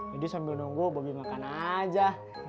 jadi sambil nunggu bohongin makan aja